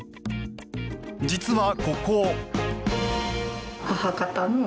実は、ここ。